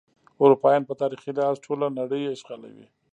اروپایان په تاریخي لحاظ ټوله نړۍ اشغالوي.